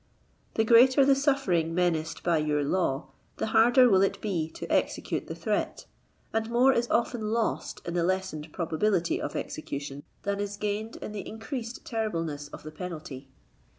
The greater the suffering menaced by your law, the harder will it be to execute the threat, and more is often lost in the lessened probability of execution than is gained 46 in the increased terribleness of the penalty.